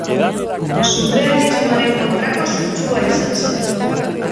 Surrealismoaren kontrako sutsua izan zen.